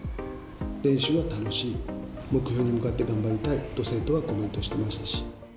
練習は楽しい、目標に向かって頑張りたいと、生徒はコメントしていましたし。